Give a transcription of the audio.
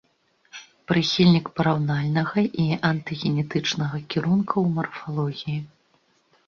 Прыхільнік параўнальнага і антагенетычнага кірункаў у марфалогіі.